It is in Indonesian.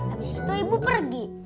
abis itu ibu pergi